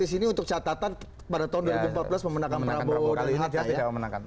di sini untuk catatan pada tahun dua ribu empat belas memenangkan prabowo kali hatta ya